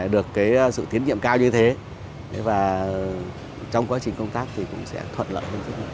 được sự tiến nhiệm của đại hội